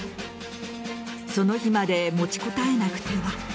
その日まで持ちこたえなくては。